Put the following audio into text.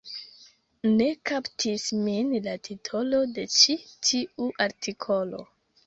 Ne kaptis min la titolo de ĉi tiu artikolo